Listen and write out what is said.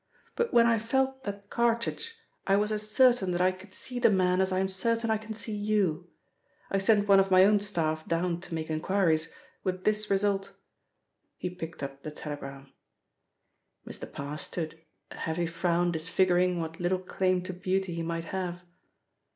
"But when I felt that cartridge I was as certain that I could see the man as I am certain I can see you. I sent one of my own staff down to make enquiries, with this result." He picked up the telegram. Mr. Parr stood, a heavy frown disfiguring what little claim to beauty he might have.